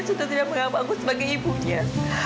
sudah tidak mengapa aku sebagai ibunya